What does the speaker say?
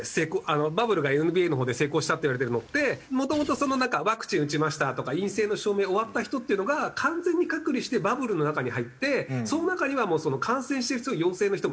バブルがＮＢＡのほうで成功したっていわれてるのってもともとなんかワクチン打ちましたとか陰性の証明終わった人っていうのが完全に隔離してバブルの中に入ってその中には感染してる人も陽性の人も一切いませんよと。